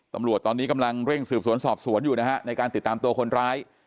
ตำรวจตอนนี้กำลังเร่งสืบสวนสอบสวนอยู่นะฮะในการติดตามตัวคนร้าย